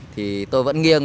thì tôi vẫn nghiêng